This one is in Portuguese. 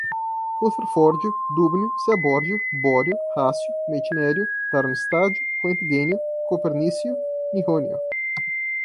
rutherfórdio, dúbnio, seabórgio, bóhrio, hássio, meitnério, darmstádtio, roentgênio, copernício, nihônio